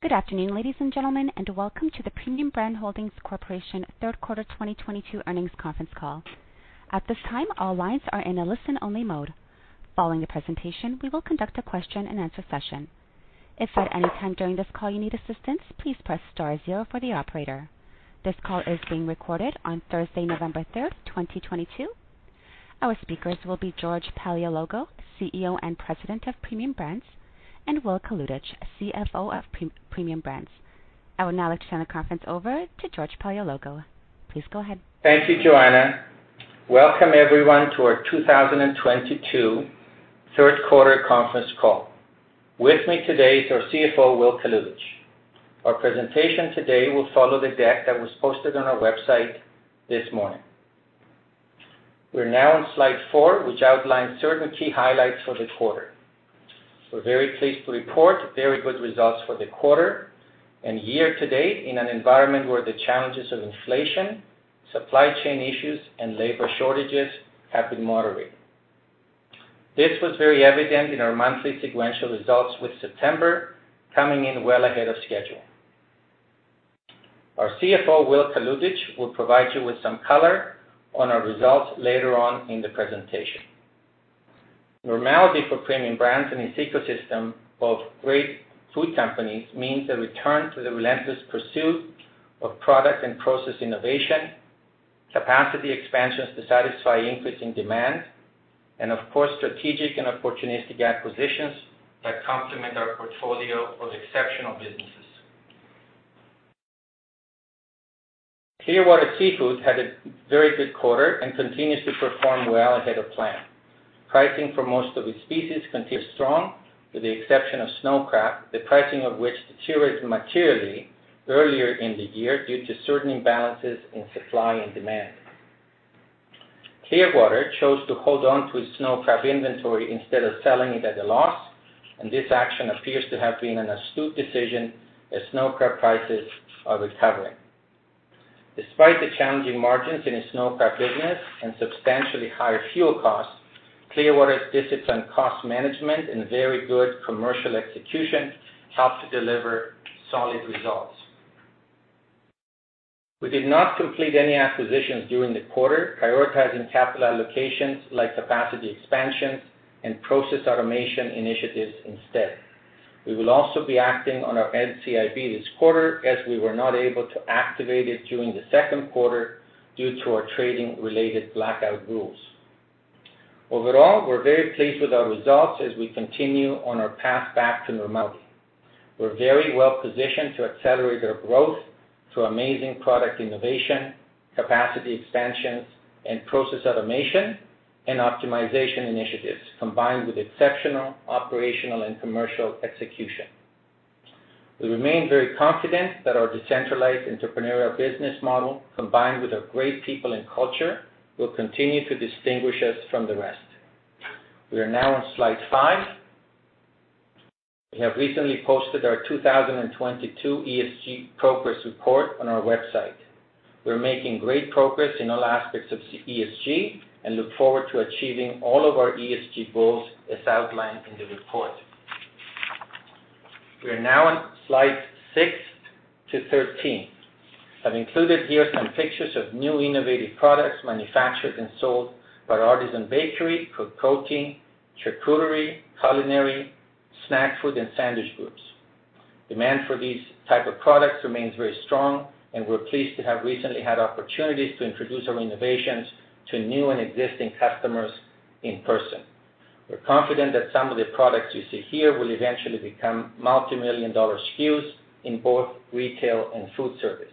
Good afternoon, ladies and gentlemen, and welcome to the Premium Brands Holdings Corporation Q3 2022 Earnings Conference Call. At this time, all lines are in a listen-only mode. Following the presentation, we will conduct a question-and-answer session. If at any time during this call you need assistance, please press star zero for the operator. This call is being recorded on Thursday, 3 November 2022. Our speakers will be George Paleologou, CEO and President of Premium Brands, and Will Kalutycz, CFO of Premium Brands. I would now like to turn the conference over to George Paleologou. Please go ahead. Thank you, Joanna. Welcome everyone to our 2022 Q3 Conference Call. With me today is our CFO, Will Kalutycz. Our presentation today will follow the deck that was posted on our website this morning. We're now on slide four, which outlines certain key highlights for the quarter. We're very pleased to report very good results for the quarter and year to date in an environment where the challenges of inflation, supply chain issues, and labor shortages have been moderating. This was very evident in our monthly sequential results, with September coming in well ahead of schedule. Our CFO, Will Kalutycz, will provide you with some color on our results later on in the presentation. Normality for Premium Brands and its ecosystem of great food companies means a return to the relentless pursuit of product and process innovation, capacity expansions to satisfy increasing demand, and of course, strategic and opportunistic acquisitions that complement our portfolio of exceptional businesses. Clearwater Seafoods had a very good quarter and continues to perform well ahead of plan. Pricing for most of its species continues strong, with the exception of Snow Crab, the pricing of which deteriorated materially earlier in the year due to certain imbalances in supply and demand. Clearwater Seafoods chose to hold on to its Snow Crab inventory instead of selling it at a loss, and this action appears to have been an astute decision as Snow Crab prices are recovering. Despite the challenging margins in its Snow Crab business and substantially higher fuel costs, Clearwater's disciplined cost management and very good commercial execution helped to deliver solid results. We did not complete any acquisitions during the quarter, prioritizing capital allocations like capacity expansions and process automation initiatives instead. We will also be acting on our NCIB this quarter, as we were not able to activate it during the Q2 due to our trading-related blackout rules. Overall, we're very pleased with our results as we continue on our path back to normality. We're very well positioned to accelerate our growth through amazing product innovation, capacity expansions, and process automation and optimization initiatives, combined with exceptional operational and commercial execution. We remain very confident that our decentralized entrepreneurial business model, combined with our great people and culture, will continue to distinguish us from the rest. We are now on slide five. We have recently posted our 2022 ESG progress report on our website. We're making great progress in all aspects of ESG and look forward to achieving all of our ESG goals as outlined in the report. We are now on slide six to 13. I've included here some pictures of new innovative products manufactured and sold by our artisan bakery for protein, charcuterie, culinary, snack food, and sandwich groups. Demand for these types of products remains very strong, and we're pleased to have recently had opportunities to introduce our innovations to new and existing customers in person. We're confident that some of the products you see here will eventually become multi-million-dollar SKUs in both retail and food service.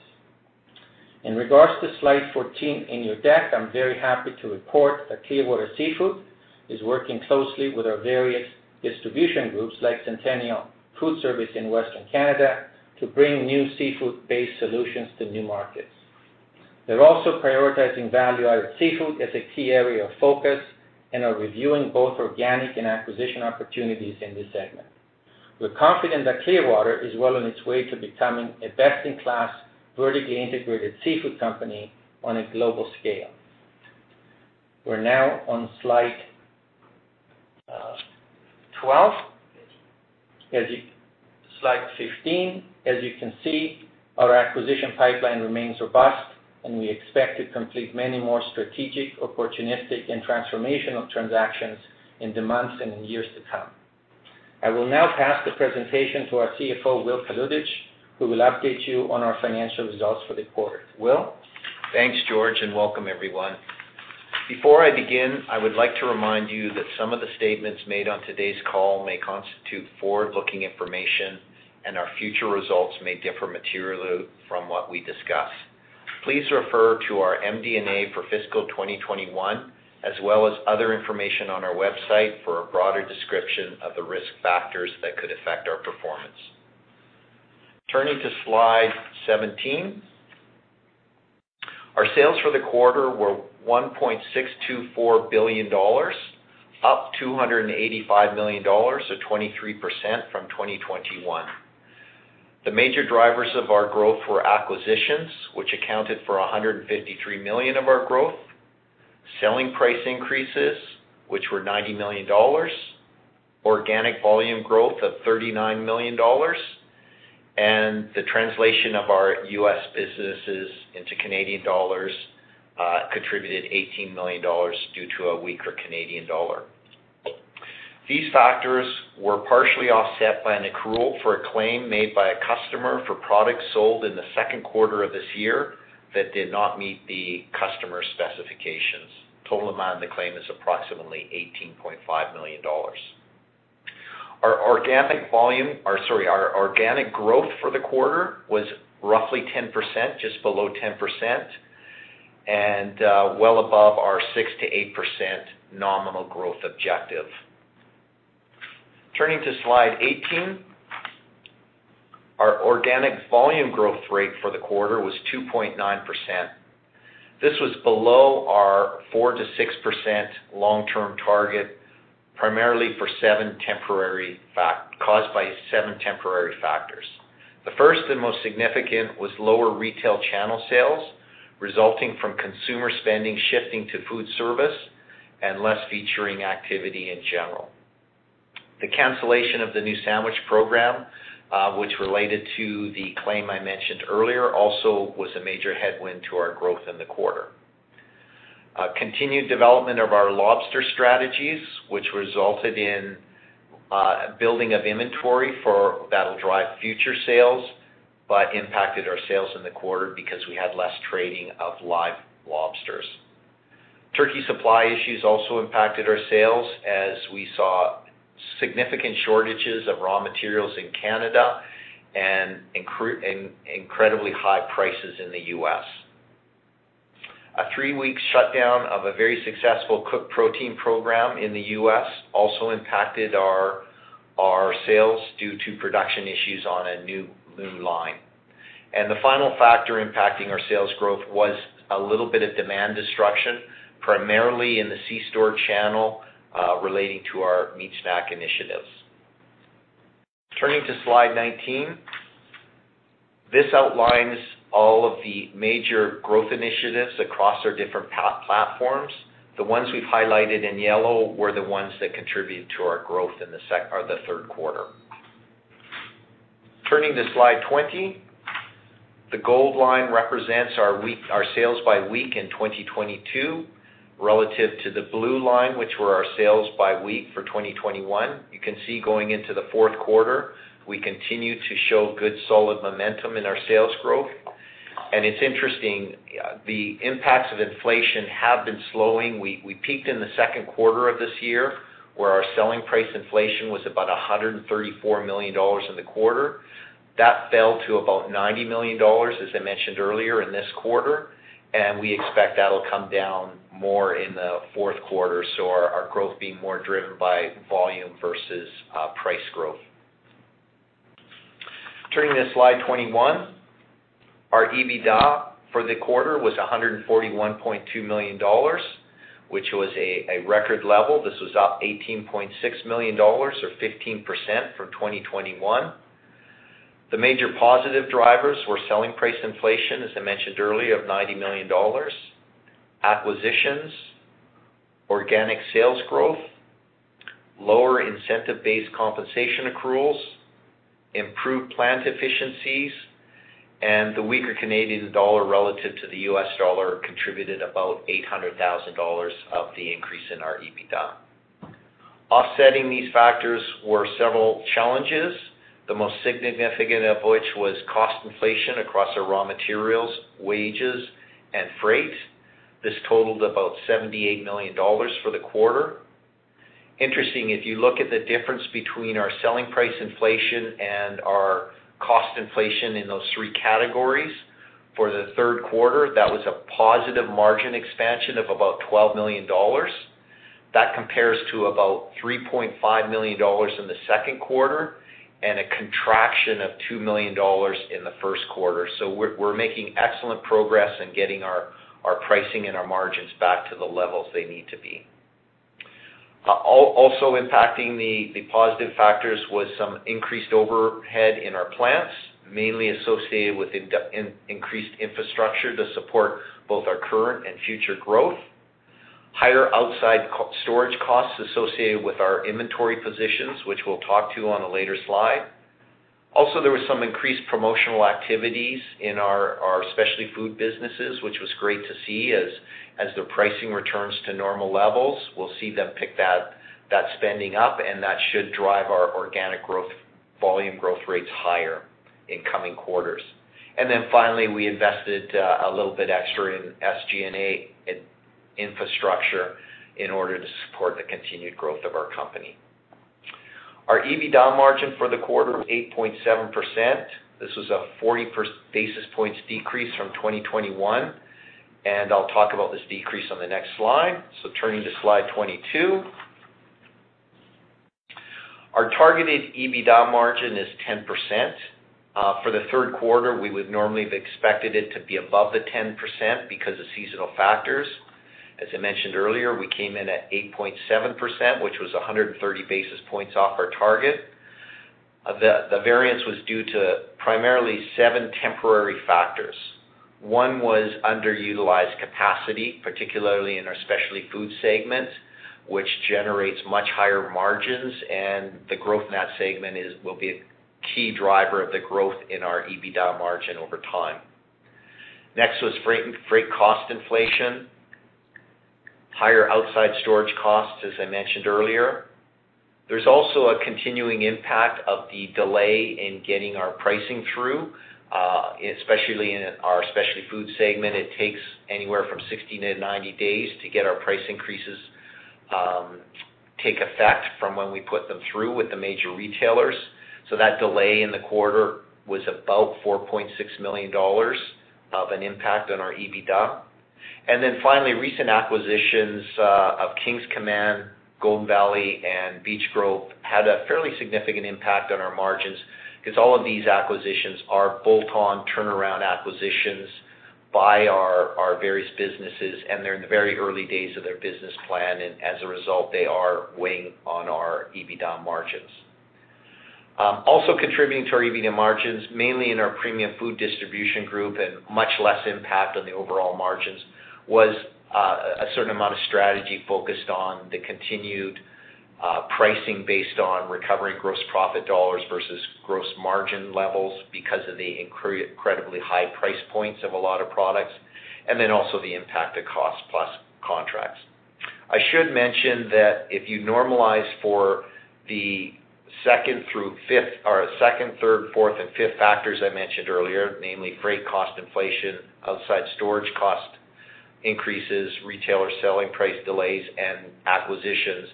In regards to slide 14 in your deck, I'm very happy to report that Clearwater Seafoods is working closely with our various distribution groups, like Centennial Foodservice in Western Canada, to bring new seafood-based solutions to new markets. They're also prioritizing value-added seafood as a key area of focus and are reviewing both organic and acquisition opportunities in this segment. We're confident that Clearwater Seafoods is well on its way to becoming a best-in-class, vertically integrated seafood company on a global scale. We're now on slide 12. Slide 15. As you can see, our acquisition pipeline remains robust and we expect to complete many more strategic, opportunistic, and transformational transactions in the months and in years to come. I will now pass the presentation to our CFO, Will Kalutycz, who will update you on our financial results for the quarter. Will? Thanks, George, and welcome everyone. Before I begin, I would like to remind you that some of the statements made on today's call may constitute forward-looking information and our future results may differ materially from what we discuss. Please refer to our MD&A for fiscal 2021 as well as other information on our website for a broader description of the risk factors that could affect our performance. Turning to slide 17. Our sales for the quarter were 1.624 billion dollars, up 285 million dollars, so 23% from 2021. The major drivers of our growth were acquisitions, which accounted for 153 million of our growth, selling price increases, which were 90 million dollars, organic volume growth of 39 million dollars, and the translation of our U.S. businesses into Canadian dollars contributed 18 million dollars due to a weaker Canadian dollar. These factors were partially offset by an accrual for a claim made by a customer for products sold in the Q2 of this year that did not meet the customer specifications. Total amount of the claim is approximately 18.5 million dollars. Our organic growth for the quarter was roughly 10%, just below 10%, and well above our 6%-8% nominal growth objective. Turning to slide 18, our organic volume growth rate for the quarter was 2.9%. This was below our 4%-6% long-term target, primarily caused by seven temporary factors. The first and most significant was lower retail channel sales resulting from consumer spending shifting to food service and less featuring activity in general. The cancellation of the new sandwich program, which related to the claim I mentioned earlier, also was a major headwind to our growth in the quarter. Continued development of our lobster strategies, which resulted in building of inventory that'll drive future sales but impacted our sales in the quarter because we had less trading of live lobsters. Turkey supply issues also impacted our sales as we saw significant shortages of raw materials in Canada and incredibly high prices in the US. A three-week shutdown of a very successful cooked protein program in the US also impacted our sales due to production issues on a new moon line. The final factor impacting our sales growth was a little bit of demand destruction, primarily in the C-store channel, relating to our meat snack initiatives. Turning to slide 19, this outlines all of the major growth initiatives across our different platforms. The ones we've highlighted in yellow were the ones that contributed to our growth in the Q3. Turning to slide 20, the gold line represents our sales by week in 2022 relative to the blue line, which were our sales by week for 2021. You can see going into the Q4, we continue to show good solid momentum in our sales growth. It's interesting, the impacts of inflation have been slowing. We peaked in the Q2 of this year, where our selling price inflation was about 134 million dollars in the quarter. That fell to about 90 million dollars, as I mentioned earlier, in this quarter, and we expect that'll come down more in the Q4. Our growth being more driven by volume versus price growth. Turning to slide 21, our EBITDA for the quarter was 141.2 million dollars, which was a record level. This was up 18.6 million dollars or 15% from 2021. The major positive drivers were selling price inflation, as I mentioned earlier, of 90 million dollars, acquisitions, organic sales growth, lower incentive-based compensation accruals, improved plant efficiencies, and the weaker Canadian dollar relative to the US dollar contributed about 800,000 dollars of the increase in our EBITDA. Offsetting these factors were several challenges, the most significant of which was cost inflation across our raw materials, wages, and freight. This totaled about 78 million dollars for the quarter. Interesting, if you look at the difference between our selling price inflation and our cost inflation in those three categories, for the Q3, that was a positive margin expansion of about 12 million dollars. That compares to about 3.5 million dollars in the Q2 and a contraction of 2 million dollars in the Q1. We're making excellent progress in getting our pricing and our margins back to the levels they need to be. Also impacting the positive factors was some increased overhead in our plants, mainly associated with increased infrastructure to support both our current and future growth. Higher outside storage costs associated with our inventory positions, which we'll talk to on a later slide. Also, there was some increased promotional activities in our specialty food businesses, which was great to see as the pricing returns to normal levels. We'll see them pick that spending up, and that should drive our organic growth, volume growth rates higher in coming quarters. We invested a little bit extra in SG&A in infrastructure in order to support the continued growth of our company. Our EBITDA margin for the quarter was 8.7%. This was a 40 basis points decrease from 2021, and I'll talk about this decrease on the next slide. Turning to slide 22. Our targeted EBITDA margin is 10%. For the Q3, we would normally have expected it to be above the 10% because of seasonal factors. As I mentioned earlier, we came in at 8.7%, which was 130 basis points off our target. The variance was due to primarily seven temporary factors. One was underutilized capacity, particularly in our specialty food segment, which generates much higher margins, and the growth in that segment will be a key driver of the growth in our EBITDA margin over time. Next was freight and freight cost inflation. Higher outside storage costs, as I mentioned earlier. There's also a continuing impact of the delay in getting our pricing through, especially in our specialty food segment. It takes anywhere from 60-90 days to get our price increases take effect from when we put them through with the major retailers. That delay in the quarter was about 4.6 million dollars of an impact on our EBITDA. Finally, recent acquisitions of King's Command Foods, Golden Valley Farms, and Beechgrove had a fairly significant impact on our margins 'cause all of these acquisitions are bolt-on turnaround acquisitions by our various businesses, and they're in the very early days of their business plan, and as a result, they are weighing on our EBITDA margins. Also contributing to our EBITDA margins, mainly in our premium food distribution group and much less impact on the overall margins, was a certain amount of strategy focused on the continued pricing based on recovering gross profit dollars versus gross margin levels because of the incredibly high price points of a lot of products, and then also the impact of cost plus contracts. I should mention that if you normalize for the second through fifth or second, third, fourth, and fifth factors I mentioned earlier, namely freight cost inflation, outside storage cost increases, retailer selling price delays, and acquisitions,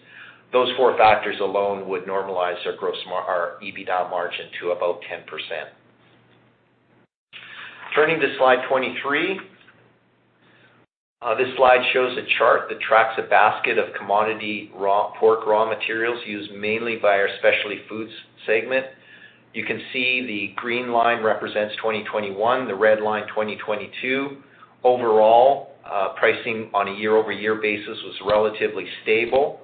those four factors alone would normalize their gross—our EBITDA margin to about 10%. Turning to slide 23. This slide shows a chart that tracks a basket of commodity pork raw materials used mainly by our specialty foods segment. You can see the green line represents 2021, the red line, 2022. Overall, pricing on a year-over-year basis was relatively stable,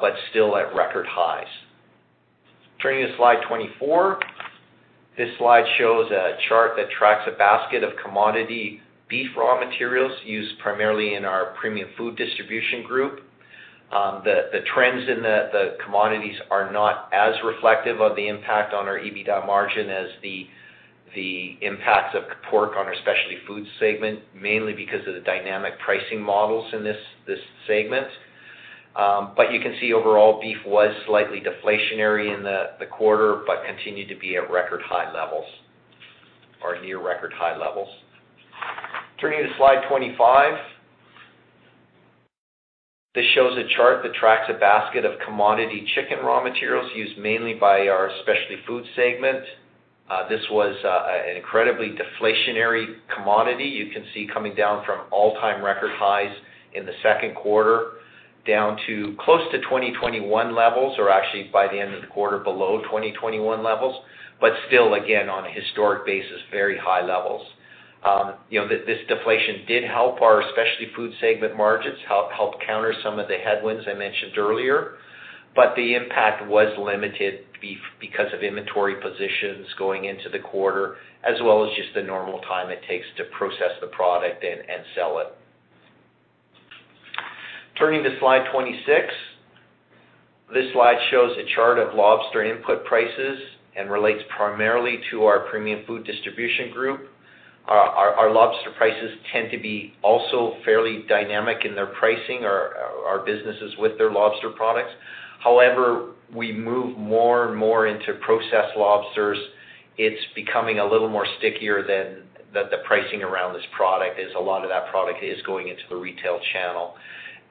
but still at record highs. Turning to slide 24. This slide shows a chart that tracks a basket of commodity beef raw materials used primarily in our premium food distribution group. The trends in the commodities are not as reflective of the impact on our EBITDA margin as the impacts of pork on our specialty foods segment, mainly because of the dynamic pricing models in this segment. You can see overall beef was slightly deflationary in the quarter, but continued to be at record high levels or near record high levels. Turning to slide 25. This shows a chart that tracks a basket of commodity chicken raw materials used mainly by our specialty food segment. This was an incredibly deflationary commodity. You can see coming down from all-time record highs in the Q2 down to close to 2021 levels or actually by the end of the quarter below 2021 levels, but still again, on a historic basis, very high levels. You know, this deflation did help our specialty food segment margins, helped counter some of the headwinds I mentioned earlier, but the impact was limited because of inventory positions going into the quarter as well as just the normal time it takes to process the product and sell it. Turning to slide 26. This slide shows a chart of lobster input prices and relates primarily to our Premium Food Distribution group. Our lobster prices tend to be also fairly dynamic in their pricing or our businesses with their lobster products. However, we move more and more into processed lobsters. It's becoming a little more stickier than the pricing around this product is a lot of that product is going into the retail channel.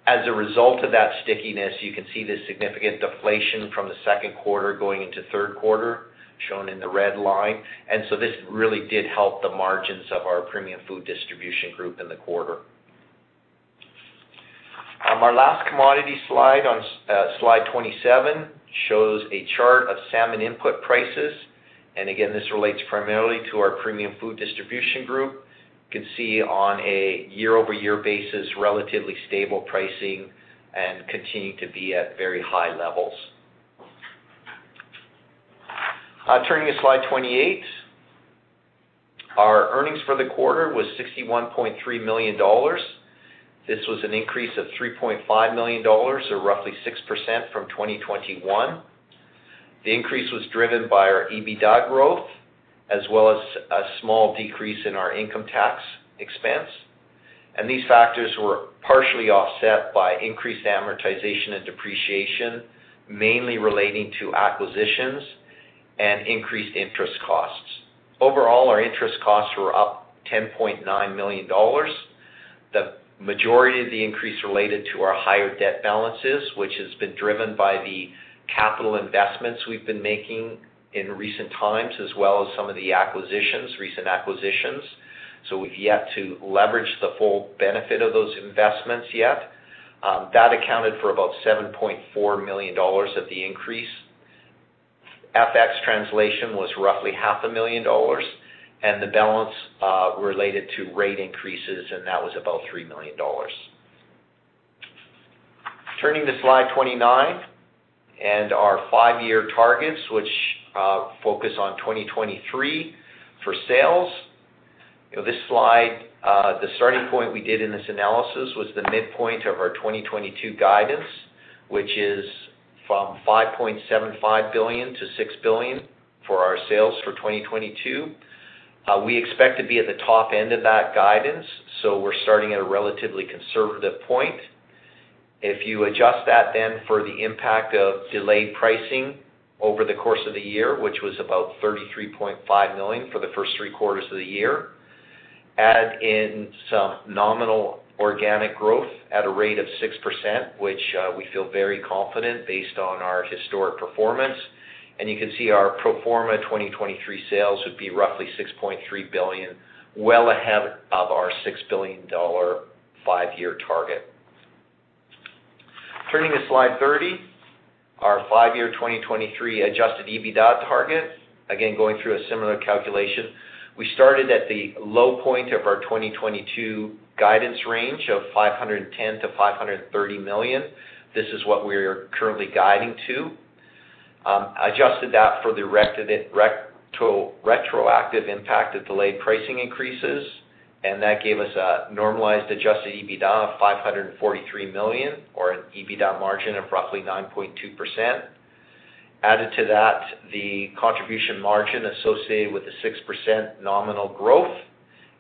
As a result of that stickiness, you can see the significant deflation from the Q2 going into Q3, shown in the red line. This really did help the margins of our premium food distribution group in the quarter. Our last commodity slide on slide 27 shows a chart of salmon input prices. This relates primarily to our premium food distribution group. You can see on a year-over-year basis, relatively stable pricing and continuing to be at very high levels. Turning to slide 28. Our earnings for the quarter was 61.3 million dollars. This was an increase of 3.5 million dollars or roughly 6% from 2021. The increase was driven by our EBITDA growth as well as a small decrease in our income tax expense. These factors were partially offset by increased amortization and depreciation, mainly relating to acquisitions and increased interest costs. Overall, our interest costs were up 10.9 million dollars. The majority of the increase related to our higher debt balances, which has been driven by the capital investments we've been making in recent times as well as some of the acquisitions, recent acquisitions. We've yet to leverage the full benefit of those investments yet. That accounted for about 7.4 million dollars of the increase. FX translation was roughly CAD half a million, and the balance related to rate increases, and that was about 3 million dollars. Turning to slide 29 and our five-year targets, which focus on 2023 for sales. You know, this slide, the starting point we did in this analysis was the midpoint of our 2022 guidance, which is from 5.75 billion to 6 billion for our sales for 2022. We expect to be at the top end of that guidance, so we're starting at a relatively conservative point. If you adjust that then for the impact of delayed pricing over the course of the year, which was about 33.5 million for the first three quarters of the year, add in some nominal organic growth at a rate of 6%, which, we feel very confident based on our historic performance, and you can see our pro forma 2023 sales would be roughly 6.3 billion, well ahead of our 6 billion dollar five-year target. Turning to slide 30, our five-year 2023 adjusted EBITDA target. Again, going through a similar calculation. We started at the low point of our 2022 guidance range of 510 million-530 million. This is what we are currently guiding to. Adjusted that for the retroactive impact of delayed pricing increases, and that gave us a normalized adjusted EBITDA of 543 million or an EBITDA margin of roughly 9.2%. Added to that, the contribution margin associated with the 6% nominal growth,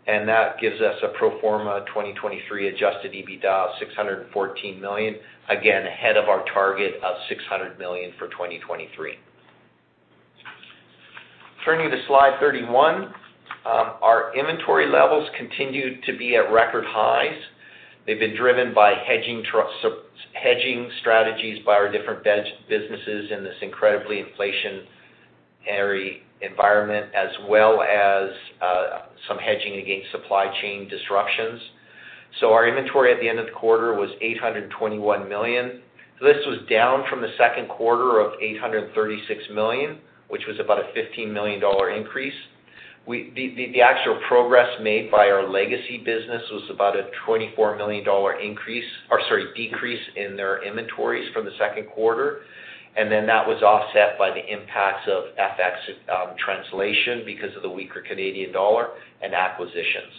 and that gives us a pro forma 2023 adjusted EBITDA of CAD 614 million, again, ahead of our target of 600 million for 2023. Turning to slide 31, our inventory levels continued to be at record highs. They've been driven by hedging strategies by our different businesses in this incredibly inflationary environment, as well as some hedging against supply chain disruptions. Our inventory at the end of the quarter was 821 million. This was down from the Q2 of 836 million, which was about a 15-million-dollar increase. The actual progress made by our legacy business was about a 24 million dollar increase or, sorry, decrease in their inventories from the Q2. That was offset by the impacts of FX translation because of the weaker Canadian dollar and acquisitions.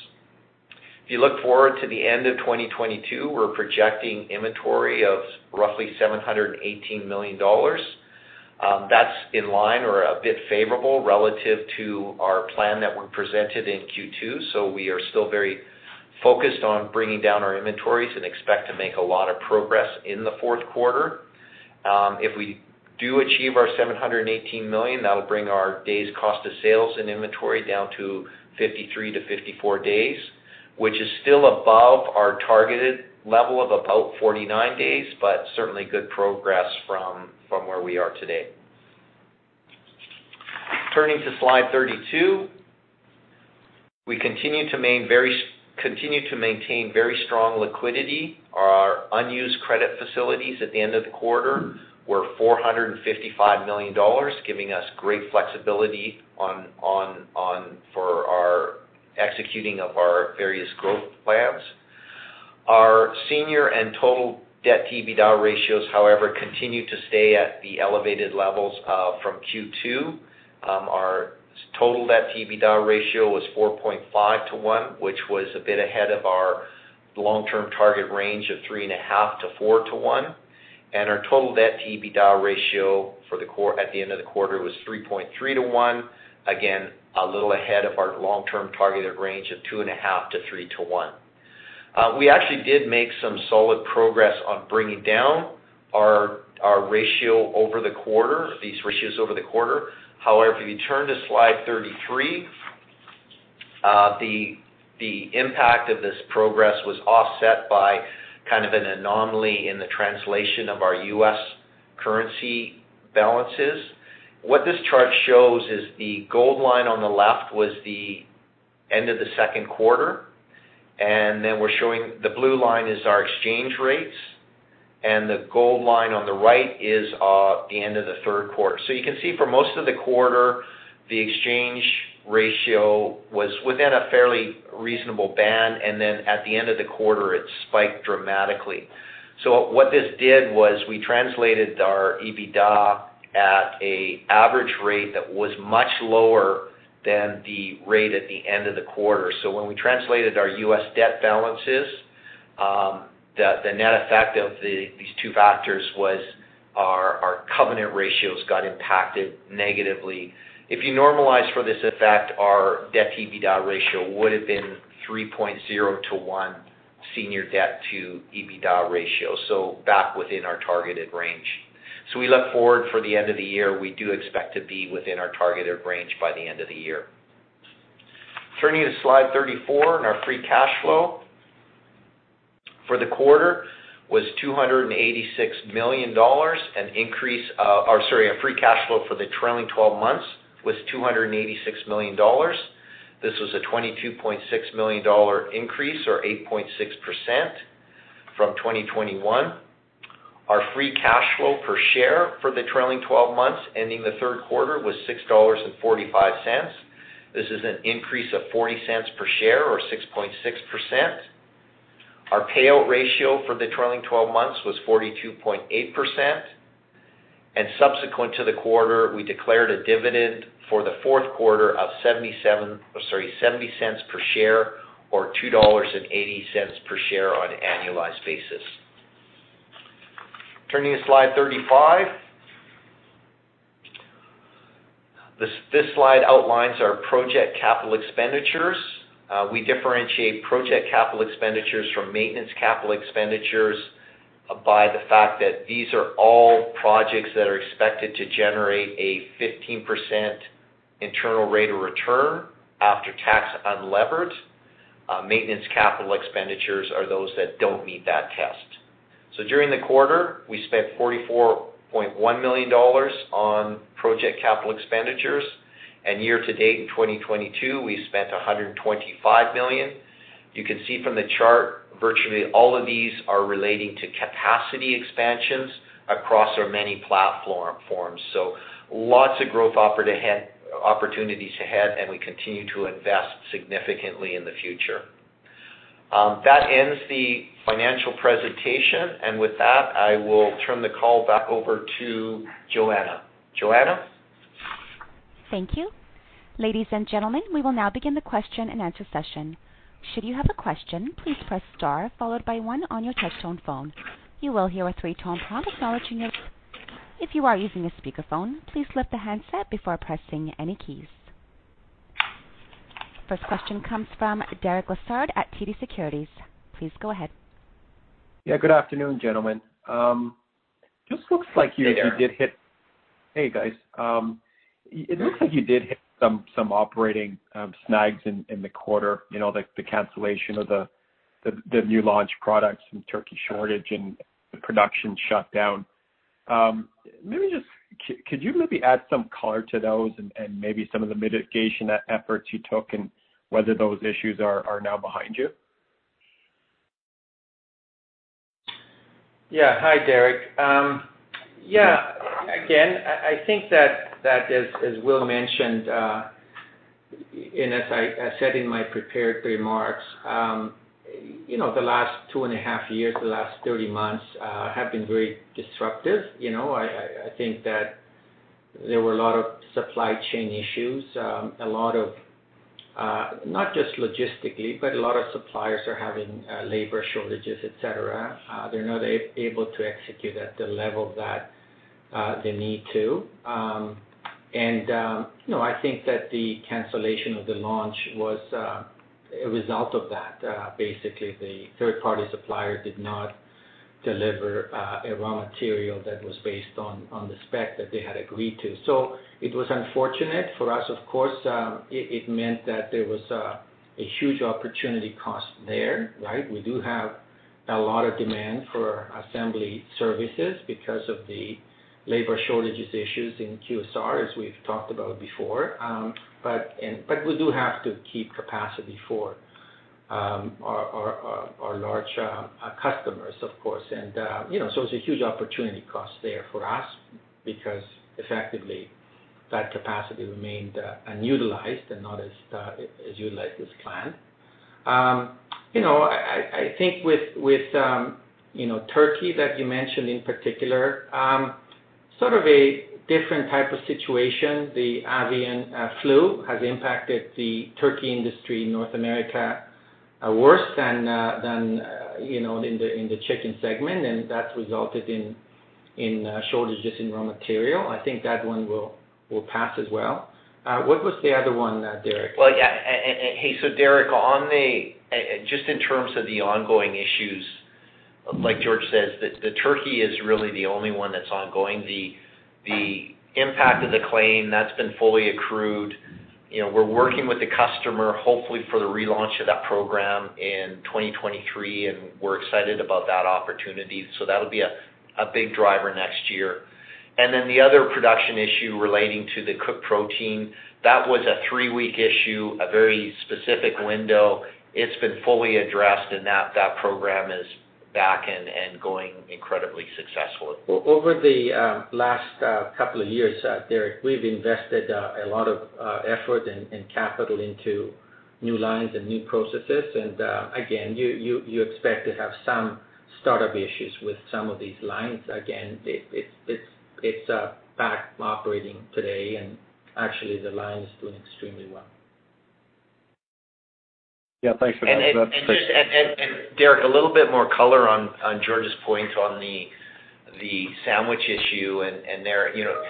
If you look forward to the end of 2022, we're projecting inventory of roughly 718 million dollars. That's in line or a bit favorable relative to our plan that were presented in Q2, so we are still very focused on bringing down our inventories and expect to make a lot of progress in the Q4. If we do achieve our 718 million, that'll bring our days cost of sales and inventory down to 53-54 days, which is still above our targeted level of about 49 days, but certainly good progress from where we are today. Turning to slide 32, we continue to maintain very strong liquidity. Our unused credit facilities at the end of the quarter were 455 million dollars, giving us great flexibility for execution of our various growth plans. Our senior and total debt to EBITDA ratios, however, continue to stay at the elevated levels from Q2. Our total debt to EBITDA ratio was 4.5-1, which was a bit ahead of our long-term target range of 3.5-4-1. Our senior debt to EBITDA ratio at the end of the quarter was 3.3-1, again, a little ahead of our long-term targeted range of 2.5-3:1. We actually did make some solid progress on bringing down our ratios over the quarter. However, if you turn to slide 33, the impact of this progress was offset by kind of an anomaly in the translation of our U.S. currency balances. What this chart shows is the gold line on the left was the end of the Q2, and then we're showing the blue line is our exchange rates, and the gold line on the right is the end of the Q3. You can see for most of the quarter, the exchange ratio was within a fairly reasonable band, and then at the end of the quarter, it spiked dramatically. What this did was we translated our EBITDA at an average rate that was much lower than the rate at the end of the quarter. When we translated our US debt balances, the net effect of these two factors was our covenant ratios got impacted negatively. If you normalize for this effect, our debt to EBITDA ratio would have been 3.0-1 senior debt to EBITDA ratio, so back within our targeted range. We look forward for the end of the year. We do expect to be within our targeted range by the end of the year. Turning to slide 34, our free cash flow for the trailing twelve months was CAD 286 million. This was a 22.6 million dollar increase or 8.6% from 2021. Our free cash flow per share for the trailing twelve months ending the Q3 was 6.45 dollars. This is an increase of 0.40 per share or 6.6%. Our payout ratio for the trailing twelve months was 42.8%. Subsequent to the quarter, we declared a dividend for the Q4 of 0.70 per share or 2.80 dollars per share on an annualized basis. Turning to slide 35. This slide outlines our project capital expenditures. We differentiate project capital expenditures from maintenance capital expenditures by the fact that these are all projects that are expected to generate a 15% internal rate of return after tax unlevered. Maintenance capital expenditures are those that don't meet that test. During the quarter, we spent 44.1 million dollars on project capital expenditures. Year to date in 2022, we spent 125 million. You can see from the chart, virtually all of these are relating to capacity expansions across our many platforms. Lots of growth opportunities ahead, and we continue to invest significantly in the future. That ends the financial presentation. With that, I will turn the call back over to Joanna. Joanna? Thank you. Ladies and gentlemen, we will now begin the question-and-answer session. Should you have a question, please press star followed by one on your touch tone phone. You will hear a three-tone prompt. If you are using a speakerphone, please lift the handset before pressing any keys. First question comes from Derek Lessard at TD Securities. Please go ahead. Yeah, good afternoon, gentlemen. Just looks like you- Hey, Derek. Hey, guys. It looks like you did hit some operating snags in the quarter, you know, the cancellation of the new launch products and turkey shortage and the production shut down. Maybe just could you maybe add some color to those and maybe some of the mitigation efforts you took and whether those issues are now behind you? Yeah. Hi, Derek. Yeah. Again, I think that as Will mentioned, and as I said in my prepared remarks, you know, the last 2.5 years, the last 30 months have been very disruptive. You know, I think that there were a lot of supply chain issues, a lot of not just logistically, but a lot of suppliers are having labor shortages, et cetera. They're not able to execute at the level that they need to. You know, I think that the cancellation of the launch was a result of that. Basically the third-party supplier did not deliver a raw material that was based on the spec that they had agreed to. It was unfortunate for us, of course. It meant that there was a huge opportunity cost there, right? We do have a lot of demand for assembly services because of the labor shortages issues in QSR, as we've talked about before. We do have to keep capacity for our large customers, of course. You know, it's a huge opportunity cost there for us because effectively that capacity remained unutilized and not as utilized as planned. You know, I think with turkey that you mentioned in particular, sort of a different type of situation. The avian flu has impacted the turkey industry in North America worse than you know, in the chicken segment, and that's resulted in shortages in raw material. I think that one will pass as well. What was the other one, Derek? Well, yeah, and hey, so Derek, just in terms of the ongoing issues, like George says, the turkey is really the only one that's ongoing. The impact of the claim, that's been fully accrued. You know, we're working with the customer, hopefully for the relaunch of that program in 2023, and we're excited about that opportunity. That'll be a big driver next year. The other production issue relating to the cooked protein, that was a three-week issue, a very specific window. It's been fully addressed and that program is back and going incredibly successfully. Over the last couple of years, Derek, we've invested a lot of effort and capital into new lines and new processes. Again, you expect to have some startup issues with some of these lines. Again, it's back operating today, and actually the line is doing extremely well. Yeah, thanks for that. Just Derek, a little bit more color on George's point on the sandwich issue and there, you know,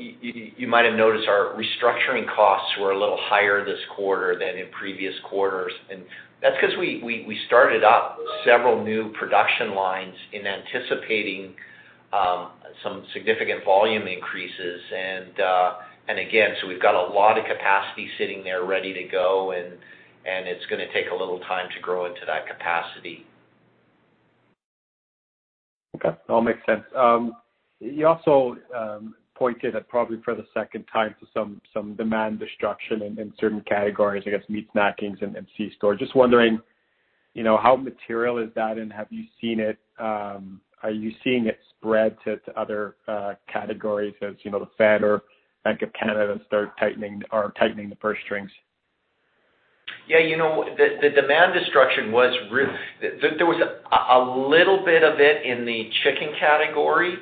you might have noticed our restructuring costs were a little higher this quarter than in previous quarters. That's 'cause we started up several new production lines in anticipating some significant volume increases. Again, we've got a lot of capacity sitting there ready to go and it's gonna take a little time to grow into that capacity. Okay. All makes sense. You also pointed at probably for the second time to some demand destruction in certain categories, I guess meat snackings and C-store. Just wondering, you know, how material is that and have you seen it, are you seeing it spread to other categories as you know, the Fed or Bank of Canada start tightening the purse strings? Yeah. You know, the demand destruction was real. There was a little bit of it in the chicken category,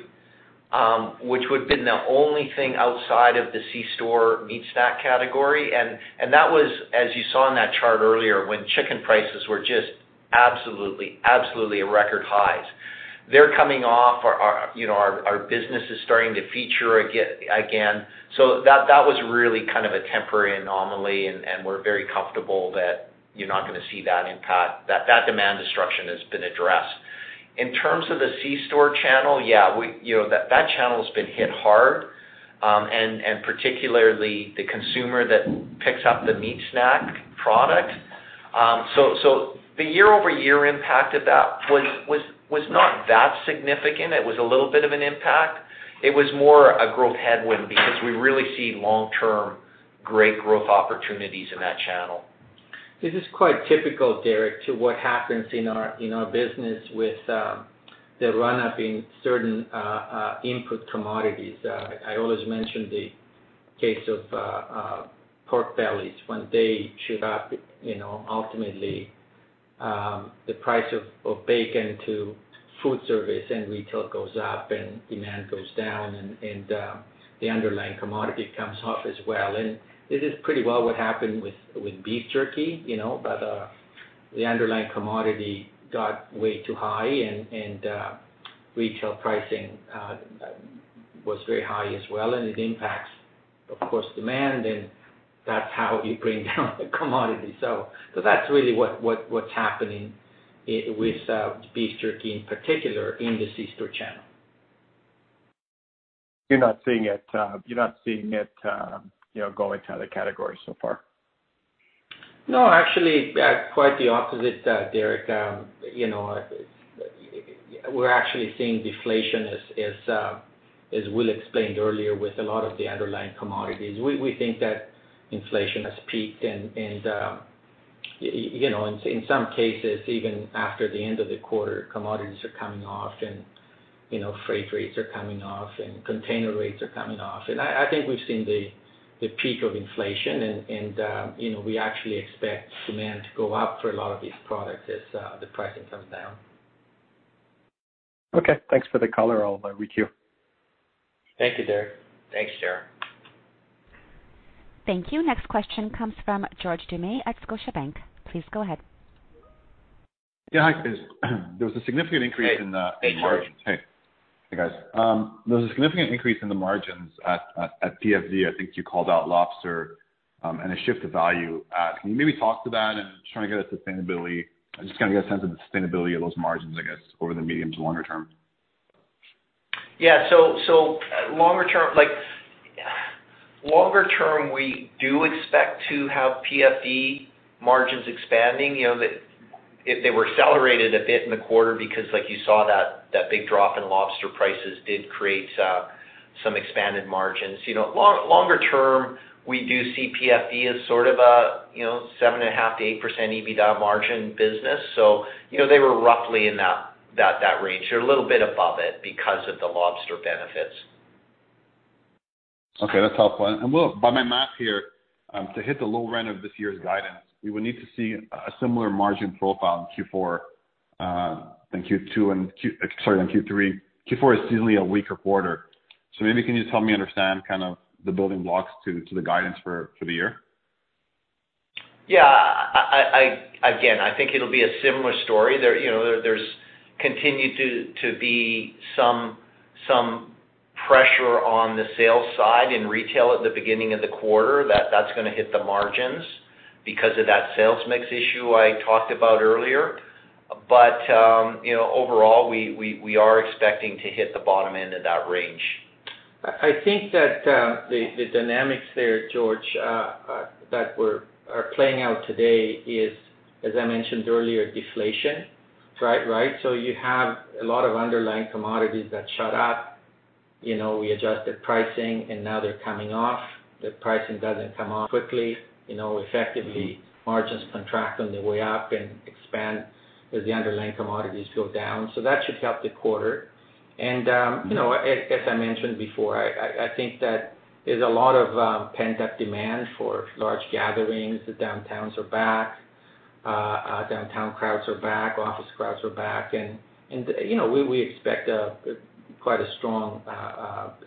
which would have been the only thing outside of the C-store meat snack category. That was, as you saw in that chart earlier, when chicken prices were just absolutely record highs. They're coming off. Our business is starting to feature again. That was really kind of a temporary anomaly, and we're very comfortable that you're not gonna see that impact, that demand destruction has been addressed. In terms of the C-store channel, yeah, we, you know, that channel's been hit hard, and particularly the consumer that picks up the meat snack product. The year-over-year impact of that was not that significant. It was a little bit of an impact. It was more a growth headwind because we really see long-term great growth opportunities in that channel. This is quite typical, Derek, to what happens in our business with the run-up in certain input commodities. I always mention the case of pork bellies when they shoot up, you know, ultimately, the price of bacon to food service and retail goes up and demand goes down and the underlying commodity comes off as well. This is pretty well what happened with beef jerky, you know. The underlying commodity got way too high and retail pricing was very high as well, and it impacts, of course, demand, and that's how you bring down the commodity. That's really what's happening with beef jerky in particular in the C-store channel. You're not seeing it, you know, go into other categories so far. No, actually, quite the opposite, Derek. You know, we're actually seeing deflation as Will explained earlier with a lot of the underlying commodities. We think that inflation has peaked and you know, in some cases, even after the end of the quarter, commodities are coming off and you know, freight rates are coming off and container rates are coming off. I think we've seen the peak of inflation and you know, we actually expect demand to go up for a lot of these products as the pricing comes down. Okay. Thanks for the color. I'll requeue. Thank you, Derek. Thanks, Derek. Thank you. Next question comes from George Doumet at Scotiabank. Please go ahead. Yeah. Hi. There was a significant increase in the. Hey, George. Hey. Hey, guys. There was a significant increase in the margins at PFD. I think you called out lobster and a shift of value. Can you maybe talk to that and just kinda get a sense of the sustainability of those margins, I guess, over the medium to longer term? Yeah. Longer term, like, we do expect to have PFD margins expanding. You know, they were accelerated a bit in the quarter because, like you saw, that big drop in lobster prices did create some expanded margins. You know, longer term, we do see PFD as sort of a, you know, 7.5%-8% EBITDA margin business. You know, they were roughly in that range. They're a little bit above it because of the lobster benefits. Okay. That's helpful. Will, by my math here, to hit the low end of this year's guidance, we would need to see a similar margin profile in Q4 than Q2 and in Q3. Q4 is seasonally a weaker quarter. Maybe can you just help me understand kind of the building blocks to the guidance for the year? Yeah. I think it'll be a similar story. You know, there's continued to be some pressure on the sales side in retail at the beginning of the quarter that's gonna hit the margins because of that sales mix issue I talked about earlier. You know, overall, we are expecting to hit the bottom end of that range. I think that the dynamics there, George, that are playing out today is, as I mentioned earlier, deflation. Right? You have a lot of underlying commodities that shot up. You know, we adjusted pricing, and now they're coming off. The pricing doesn't come off quickly. You know, effectively margins contract on the way up and expand as the underlying commodities go down. That should help the quarter. You know, as I mentioned before, I think that there's a lot of pent-up demand for large gatherings. The downtowns are back. Downtown crowds are back. Office crowds are back. You know, we expect quite a strong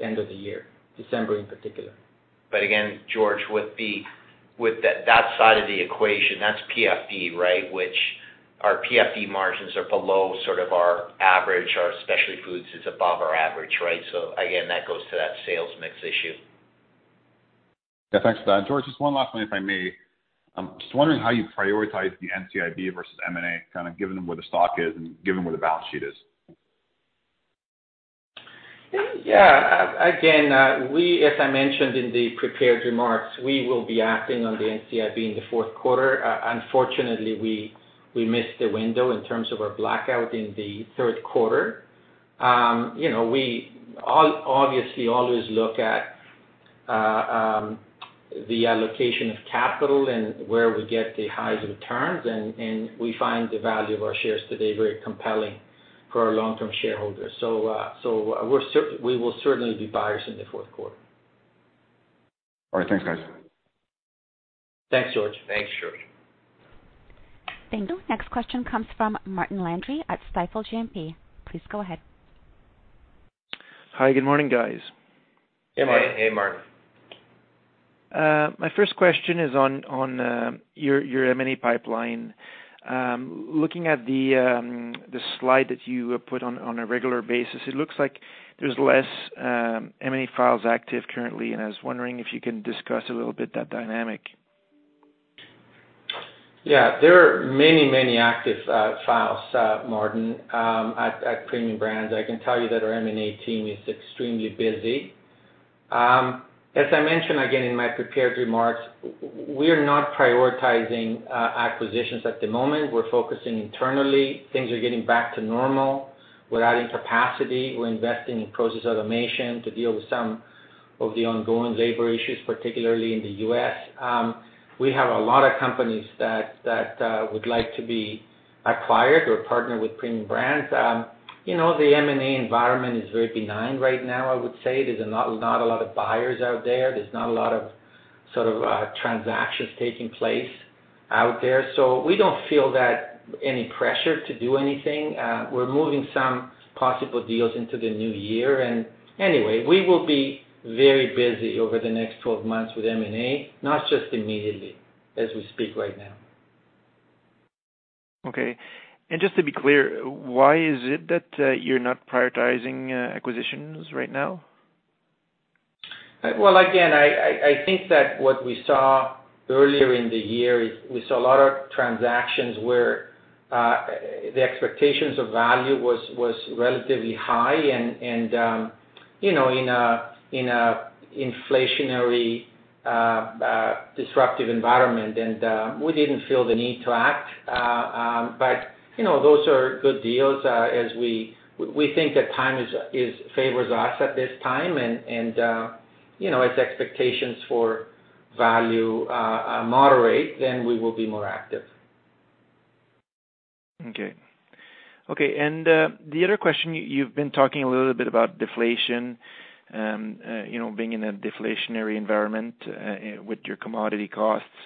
end of the year, December in particular. again, George, with that side of the equation, that's PFD, right? Which our PFD margins are below sort of our average. Our specialty foods is above our average, right? Again, that goes to that sales mix issue. Yeah. Thanks for that. George, just one last one, if I may. I'm just wondering how you prioritize the NCIB versus M&A, kind of given where the stock is and given where the balance sheet is. Yeah. Again, as I mentioned in the prepared remarks, we will be acting on the NCIB in the Q4. Unfortunately, we missed the window in terms of our blackout in the Q3. You know, we obviously always look at the allocation of capital and where we get the highest returns, and we find the value of our shares today very compelling for our long-term shareholders. We will certainly be buyers in the Q4. All right. Thanks, guys. Thanks, George. Thanks, George. Thank you. Next question comes from Martin Landry at Stifel GMP. Please go ahead. Hi, good morning, guys. Hey, Martin. Hey, Martin. My first question is on your M&A pipeline. Looking at the slide that you put on a regular basis, it looks like there's less M&A files active currently, and I was wondering if you can discuss a little bit that dynamic. Yeah. There are many, many active files, Martin, at Premium Brands. I can tell you that our M&A team is extremely busy. As I mentioned again in my prepared remarks, we are not prioritizing acquisitions at the moment. We're focusing internally. Things are getting back to normal. We're adding capacity. We're investing in process automation to deal with some of the ongoing labor issues, particularly in the U.S. We have a lot of companies that would like to be acquired or partner with Premium Brands. You know, the M&A environment is very benign right now, I would say. There's not a lot of buyers out there. There's not a lot of, sort of, transactions taking place out there. We don't feel that any pressure to do anything. We're moving some possible deals into the new year. Anyway, we will be very busy over the next 12 months with M&A, not just immediately as we speak right now. Okay. Just to be clear, why is it that you're not prioritizing acquisitions right now? Well, again, I think that what we saw earlier in the year is we saw a lot of transactions where the expectations of value was relatively high and you know in an inflationary disruptive environment. We didn't feel the need to act. You know those are good deals as we think that time favors us at this time. You know as expectations for value moderate then we will be more active. Okay, the other question, you've been talking a little bit about deflation, you know, being in a deflationary environment, with your commodity costs.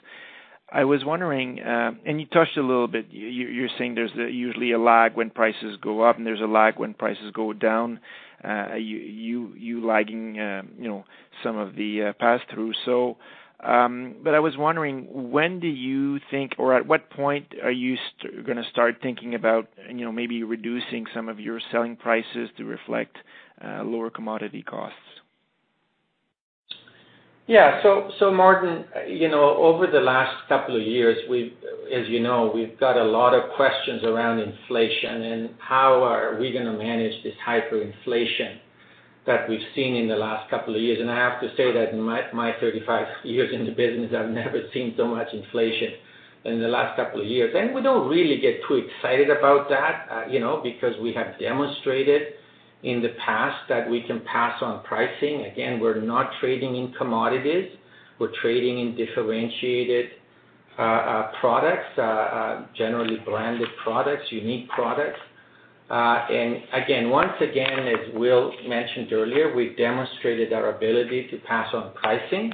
I was wondering, you touched a little bit, you're saying there's usually a lag when prices go up, and there's a lag when prices go down, you lagging, you know, some of the pass-through. I was wondering, when do you think, or at what point are you gonna start thinking about, you know, maybe reducing some of your selling prices to reflect lower commodity costs? Yeah. Martin, you know, over the last couple of years, as you know, we've got a lot of questions around inflation and how are we gonna manage this hyperinflation that we've seen in the last couple of years. I have to say that in my 35 years in the business, I've never seen so much inflation in the last couple of years. We don't really get too excited about that, you know, because we have demonstrated in the past that we can pass on pricing. Again, we're not trading in commodities. We're trading in differentiated products, generally branded products, unique products. And again, once again, as Will mentioned earlier, we've demonstrated our ability to pass on pricing.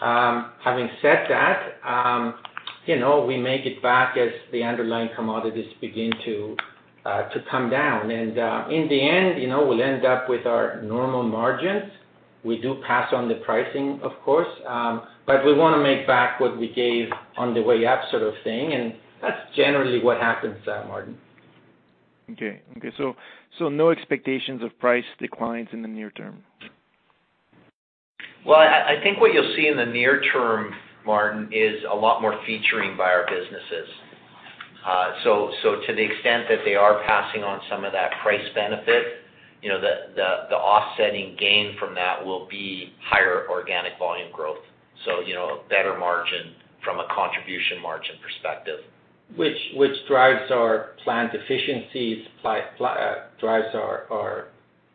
Having said that, you know, we make it back as the underlying commodities begin to come down. In the end, you know, we'll end up with our normal margins. We do pass on the pricing, of course, but we wanna make back what we gave on the way up sort of thing, and that's generally what happens, Martin. No expectations of price declines in the near term. Well, I think what you'll see in the near term, Martin, is a lot more featuring by our businesses. So, to the extent that they are passing on some of that price benefit, you know, the offsetting gain from that will be higher organic volume growth. You know, better margin from a contribution margin perspective. Which drives our plant efficiencies, drives our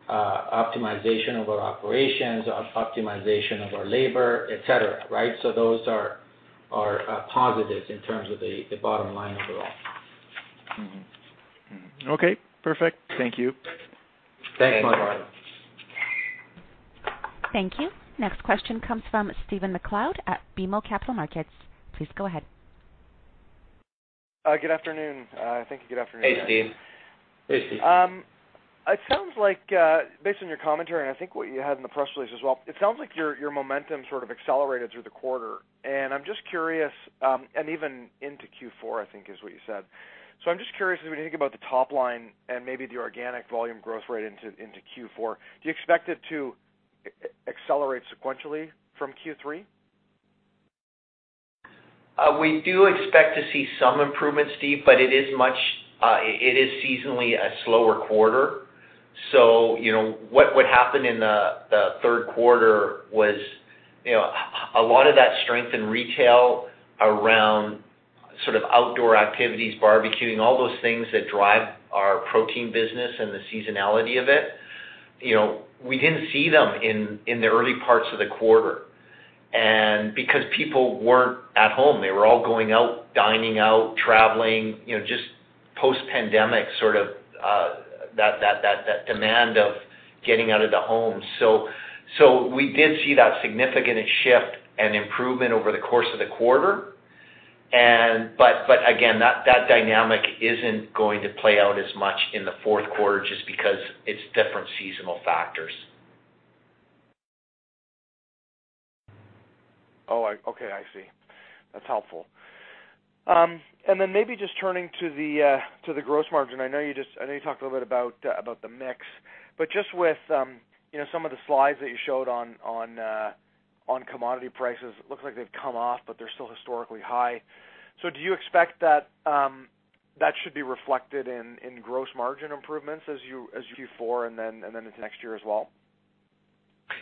optimization of our operations, optimization of our labor, etc., right? Those are positives in terms of the bottom line overall. Mm-hmm. Mm-hmm. Okay, perfect. Thank you. Thanks, Martin. Thanks, Martin. Thank you. Next question comes from Stephen MacLeod at BMO Capital Markets. Please go ahead. Good afternoon. I think good afternoon, guys. Hey, Stephen. Hey, Stephen. It sounds like, based on your commentary, and I think what you had in the press release as well, it sounds like your momentum sort of accelerated through the quarter. I'm just curious, and even into Q4, I think is what you said. I'm just curious, when you think about the top line and maybe the organic volume growth rate into Q4, do you expect it to accelerate sequentially from Q3? We do expect to see some improvements, Stephen, but it is seasonally a slower quarter. You know, what would happen in the Q3 was, you know, a lot of that strength in retail around sort of outdoor activities, barbecuing, all those things that drive our protein business and the seasonality of it, you know, we didn't see them in the early parts of the quarter. Because people weren't at home, they were all going out, dining out, traveling, you know, just post-pandemic sort of that demand of getting out of the home. We did see that significant shift and improvement over the course of the quarter. But again, that dynamic isn't going to play out as much in the Q4 just because it's different seasonal factors. Okay, I see. That's helpful. Maybe just turning to the gross margin. I know you talked a little bit about the mix. But just with, you know, some of the slides that you showed on commodity prices, it looks like they've come off, but they're still historically high. Do you expect that should be reflected in gross margin improvements as you Q4 and then into next year as well?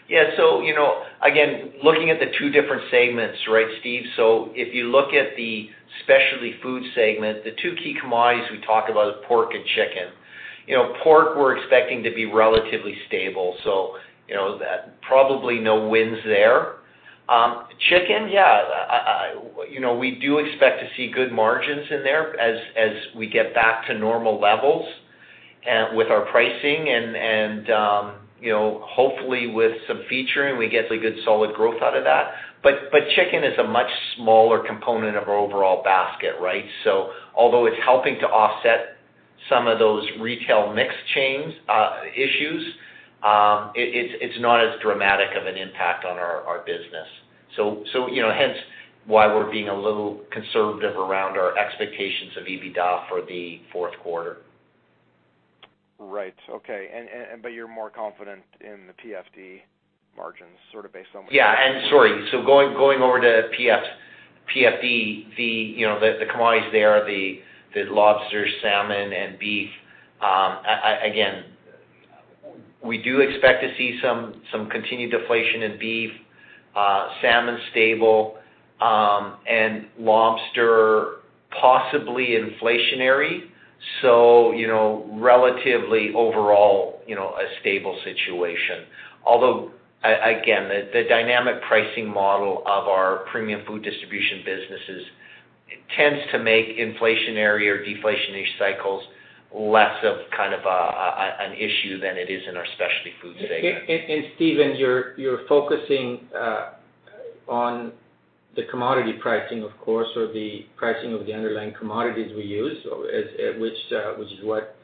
Yeah. You know, again, looking at the two different segments, right, Stephen? If you look at the specialty food segment, the two key commodities we talk about is pork and chicken. You know, pork, we're expecting to be relatively stable, so, you know, probably no wins there. Chicken, you know, we do expect to see good margins in there as we get back to normal levels with our pricing and you know, hopefully with some featuring, we get a good solid growth out of that. But chicken is a much smaller component of our overall basket, right? Although it's helping to offset some of those retail mix changes issues, it's not as dramatic of an impact on our business. You know, hence why we're being a little conservative around our expectations of EBITDA for the Q4. Right. Okay. You're more confident in the PFD margins, sort of based on. Yeah. Sorry. Going over to PFD, you know, the commodities there, the lobster, salmon, and beef. Again, we do expect to see some continued deflation in beef, salmon stable, and lobster possibly inflationary. You know, relatively overall, a stable situation. Although again, the dynamic pricing model of our premium food distribution businesses tends to make inflationary or deflationary cycles less of kind of an issue than it is in our specialty food segment. Stephen, you're focusing on the commodity pricing, of course, or the pricing of the underlying commodities we use, which is what